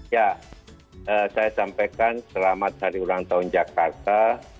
ya saya sampaikan selamat hari ulang tahun jakarta empat ratus sembilan puluh empat